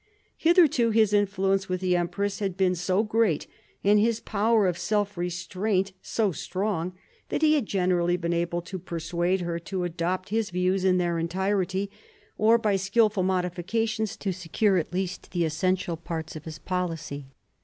Hitherto his influence with the empress had been so great, and his power of self restraint so strong, that he had generally been able to persuade her to adopt 1758 65 DOMESTIC AFFAIRS 205 his views in their entirety, or by skilful modifications to secure at least the essential parts of his policy.